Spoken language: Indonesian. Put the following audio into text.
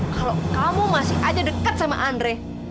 kalau kamu masih aja dekat sama andre